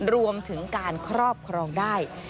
รวมถึงการครอบครองได้